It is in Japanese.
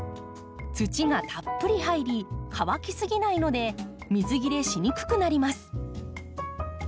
土がたっぷり入り乾きすぎないので水切れしにくくなります。